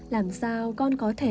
làm sao con có thể